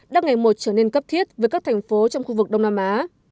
đang ngày một trở nên cấp thiết với các thành phố trong khu vực đông nam á